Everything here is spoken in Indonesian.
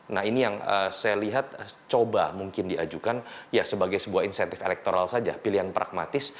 nah ini yang saya lihat coba mungkin diajukan ya sebagai sebuah insentif elektoral saja pilihan pragmatis